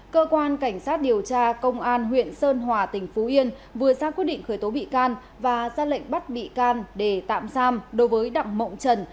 cơ quan cảnh sát điều tra công an huyện sơn hòa tỉnh phú yên vừa ra quyết định khởi tố bị can và ra lệnh bắt bị can để tạm giam đối với đặng mộng trần